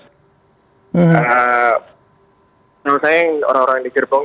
menurut saya orang orang di gerbong